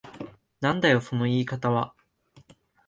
なんだよその言い方は。